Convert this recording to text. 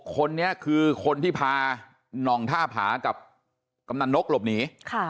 คนนี้คือคนที่พาน่องท่าผากับกำนันนกหลบหนี